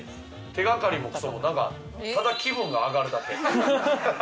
手掛かりもクソも、ただ気分が上がるだけ。